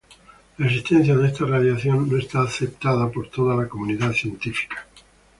La existencia de esta radiación no está aceptada por toda la comunidad científica.